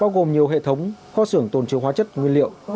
bao gồm nhiều hệ thống kho xưởng tồn chứa hóa chất nguyên liệu